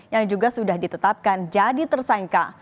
yang juga sudah ditetapkan jadi tersangka